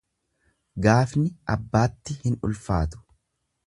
Gaafni abbaatti hin ulfaatu.